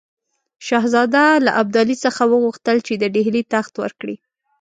شهزاده له ابدالي څخه وغوښتل چې د ډهلي تخت ورکړي.